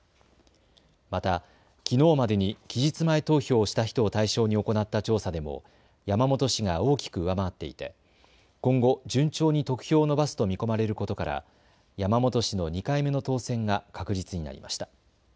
また、きのうまでに期日前投票をした人を対象に行った調査でも山本氏が大きく上回っていて今後、順調に得票を伸ばすと見込まれることから山本氏の２回目の当選が確実になりました。